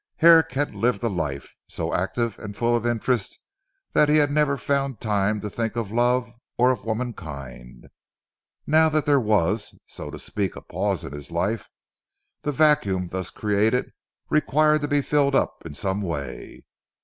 Herrick had lived a life, so active and full of interest that he had never found time to think of love or of womankind. Now that there was so to speak a pause in his life the vacuum thus created required to be filled up in some way.